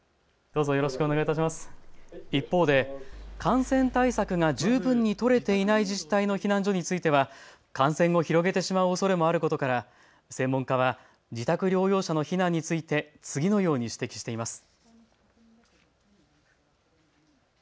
一方で感染対策が十分に取れていない自治体の避難所については感染を広げてしまうおそれもあることから専門家は自宅療養者の避難について次のように指摘しています。